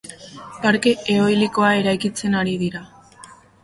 Parke eoilikoa eraikitzen ari dira.